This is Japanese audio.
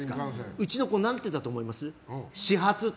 うちの子何て言ったと思います？